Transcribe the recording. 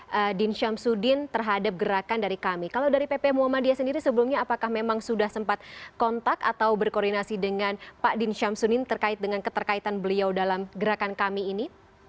pak din syamsuddin terhadap gerakan dari kami kalau dari pp muhammadiyah sendiri sebelumnya apakah memang sudah sempat kontak atau berkoordinasi dengan pak din syamsuddin terkait dengan keterkaitan beliau dalam gerakan kami ini